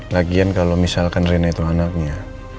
lagian kalau misalkan rina itu anaknya